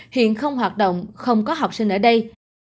hiện không hoạt động không có học sinh ở đây